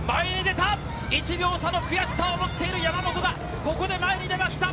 １秒差の悔しさを持っている山本が前に出ました！